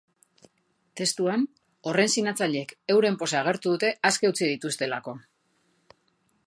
Testuan, horren sinatzaileek euren poza agertu dute aske utzi dituztelako.